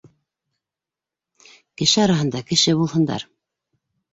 Кеше араһында кеше булһындар.